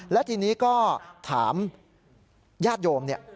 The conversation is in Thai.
และทีนี้ก็ถามญาติโยมเนี่ย